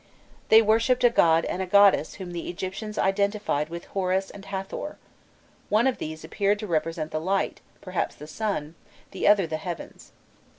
They worshipped a god and a goddess whom the Egyptians identified with Horus and Hâthor; one of these appeared to represent the light, perhaps the sun, the other the heavens.